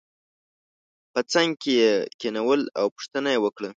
په څنګ کې یې کېنول او پوښتنه یې وکړه.